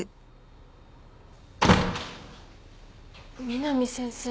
美南先生